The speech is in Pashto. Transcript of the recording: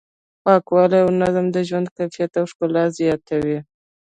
پاکوالی او نظم د ژوند کیفیت او ښکلا زیاتوي.